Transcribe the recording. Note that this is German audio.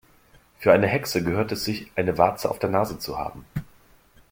Für eine Hexe gehört es sich, eine Warze auf der Nase zu haben.